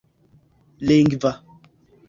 lingva